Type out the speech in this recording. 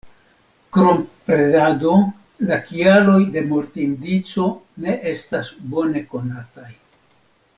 Krom predado la kialoj de mortindico ne estas bone konataj.